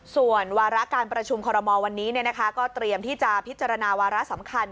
ส่วนวาระการประชุมคอรมอลวันนี้ก็เตรียมที่จะพิจารณาวาระสำคัญ